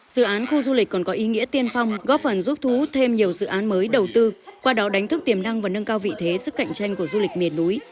dự án khu du lịch còn có ý nghĩa tiên phong góp phần giúp thú thêm nhiều dự án mới đầu tư qua đó đánh thức tiềm năng và nâng cao vị thế sức cạnh tranh của du lịch miền núi